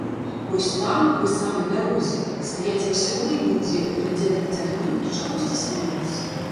Вось там, пры самай дарозе, стаяць вясёлыя людзі, глядзяць на цягнік і чагосьці смяюцца.